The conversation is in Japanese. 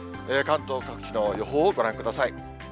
関東各地の予報をご覧ください。